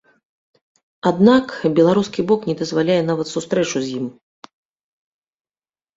Аднак беларускі бок не дазваляе нават сустрэчу з ім.